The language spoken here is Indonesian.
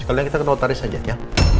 sekalian kita ke notaris aja ya